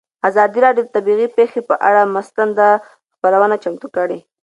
ازادي راډیو د طبیعي پېښې پر اړه مستند خپرونه چمتو کړې.